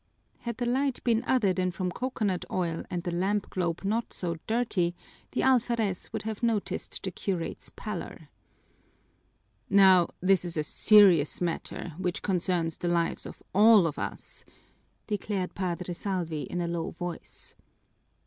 Had the light been other than from coconut oil and the lamp globe not so dirty, the alferez would have noticed the curate's pallor. "Now this is a serious matter, which concerns the lives of all of us," declared Padre Salvi in a low voice.